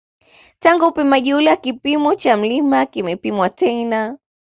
Tangu upimaji ule kimo cha mlima kimepimwa tena